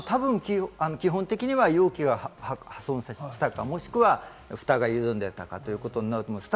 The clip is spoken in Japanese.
基本的に容器が破損したか、もしくはフタが緩んでいたかということになると思います。